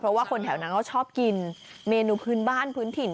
เพราะว่าคนแถวนั้นเขาชอบกินเมนูพื้นบ้านพื้นถิ่น